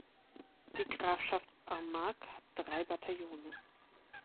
Die Grafschaft Armagh hatte drei Bataillone.